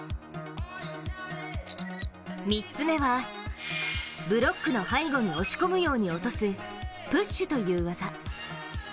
３つ目は、ブロックの背後に押し込むように落とす、プッシュという技。